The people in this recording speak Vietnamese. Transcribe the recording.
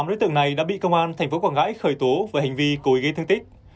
tám đối tượng này đã bị công an tp quảng ngãi khởi tố về hành vi cố ý gây thương tích